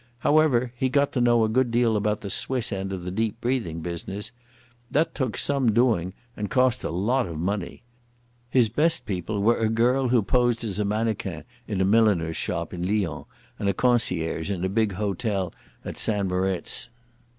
However, he got to know a good deal about the Swiss end of the "Deep breathing' business. That took some doing and cost a lot of money. His best people were a girl who posed as a mannequin in a milliner's shop in Lyons and a concierge in a big hotel at St Moritz.